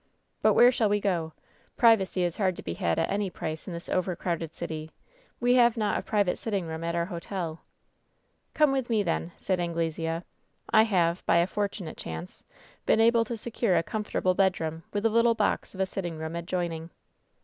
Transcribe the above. "But where shall we go f Privacy is hardly to be had at any price in this overcrowded city. We have not a private sitting room at onr Hotel." 836 WHEN SHADOWS DIE "Come with me, then," said Anglesea. "I have, by a fortunate chance, been able to secure a comfortable bed room, with a little box of a sittinp^ room adjoining."